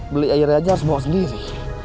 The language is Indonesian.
beli air aja harus bawa sendiri